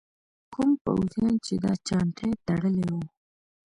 کوم پوځیان چې دا چانټې تړلي وو.